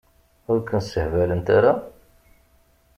Ur kun-ssehbalent ara?